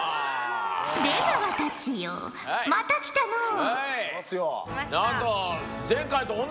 出川たちよまた来たのう。